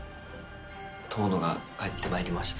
遠野が帰ってまいりました。